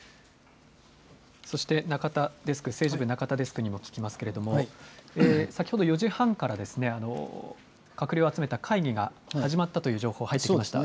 そして中田デスク、政治部、中田デスクにも聞きますけれども、先ほど４時半から、閣僚集めた会議が始まったという情報、入ってきました。